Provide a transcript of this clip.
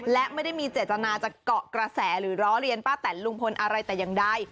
และไม่ได้มีเจตนาจะเกาะกระแสหรือล้อเรียนป้าแตนลุงพลอะไรแต่อย่างใด